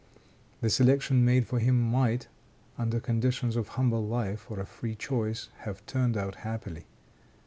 The selection made for him might, under the conditions of humble life or a free choice, have turned out happily.